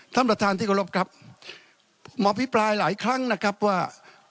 ท่านประธานที่เคารพครับมาอภิปรายหลายครั้งนะครับว่า